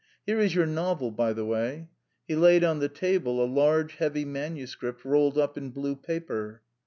"Here is your novel, by the way." He laid on the table a large heavy manuscript rolled up in blue paper.